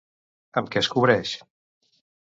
Amb què es cobreix?